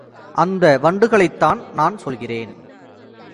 அந்த வண்டுகளைத் தான் நான் சொல்கிறேன்.